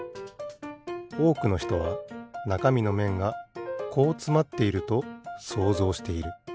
おおくのひとはなかみのめんがこうつまっていると想像している。